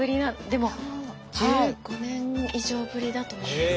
でも１５年以上ぶりだと思います。